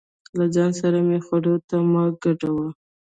له ځان سره مې خړو ته مه ګډوه.